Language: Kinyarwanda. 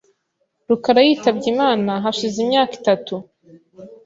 rukara yitabye Imana hashize imyaka itatu .